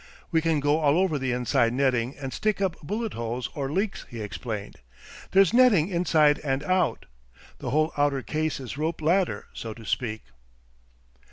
"We can go all over the inside netting and stick up bullet holes or leaks," he explained. "There's netting inside and out. The whole outer case is rope ladder, so to speak."